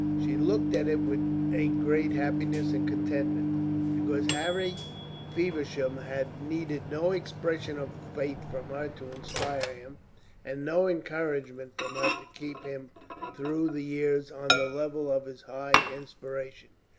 She looked at it with a great happiness and contentment, because Harry Feversham had needed no expression of faith from her to inspire him, and no encouragement from her to keep him through the years on the level of his high inspiration.